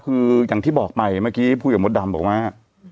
คืออย่างที่บอกใหม่เมื่อกี้ภูเกียร์มดดำบอกว่า